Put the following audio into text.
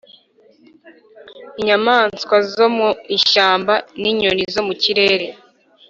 inyamaswa zo mu ishyamba n’inyoni zo mu kirere